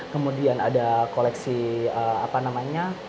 kemudian ada koleksi apa namanya